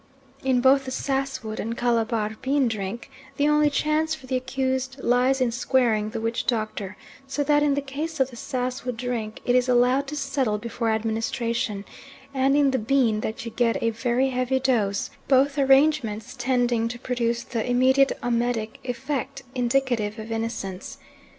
In both the sass wood and Calabar bean drink the only chance for the accused lies in squaring the witch doctor, so that in the case of the sass wood drink it is allowed to settle before administration, and in the bean that you get a very heavy dose, both arrangements tending to produce the immediate emetic effect indicative of innocence.